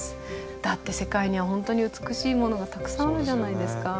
だって世界には本当に美しいものがたくさんあるじゃないですか。